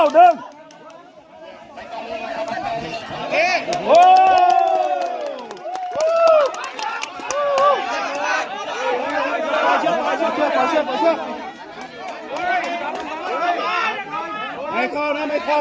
มันจะเต้นเรื่องก่อน